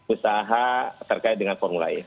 usaha terkait dengan formula e